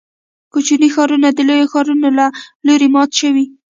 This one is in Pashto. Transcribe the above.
کوچني ښارونه د لویو ښارونو له لوري مات شوي.